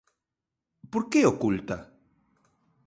¿Por que oculta?